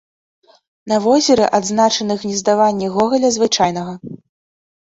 На возеры адзначаны гнездаванні гогаля звычайнага.